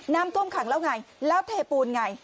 น้ำท่วมขังแล้วไงแล้วเทปูนไง